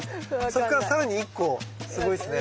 そっから更に１個すごいっすね。